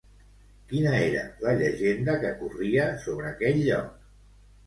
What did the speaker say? Quina era la llegenda que corria sobre aquell lloc?